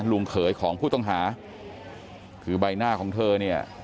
เขยของผู้ต้องหาคือใบหน้าของเธอเนี่ย